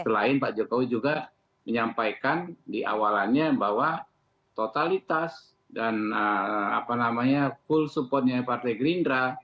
selain pak jokowi juga menyampaikan di awalannya bahwa totalitas dan apa namanya full supportnya partai gerindra